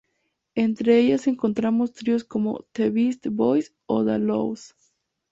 Entre ellas encontramos tríos como The Beastie Boys o De La Soul.